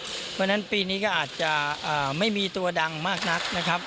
เพราะฉะนั้นปีนี้ก็อาจจะไม่มีตัวดังมากนักนะครับ